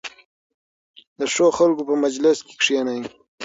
د ښو خلکو په مجلس کې کښېنئ.